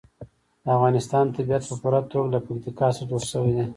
د افغانستان طبیعت په پوره توګه له پکتیکا څخه جوړ شوی دی.